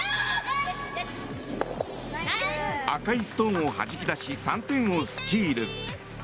赤いストーンをはじき出し３点をスチール。